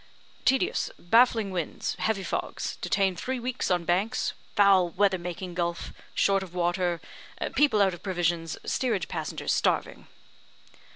"Tedious, baffling winds, heavy fogs, detained three weeks on Banks foul weather making Gulf short of water, people out of provisions, steerage passengers starving."